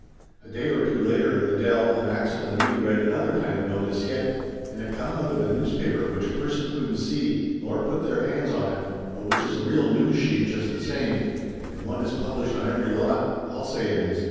A day or two later Adele and Axel and me read another kind of notice yet, and it come out of a news paper which a person couldn't see, nor put their hands on it, but which is a real news sheet, just the same, and one is published on every lot, I'll say it is!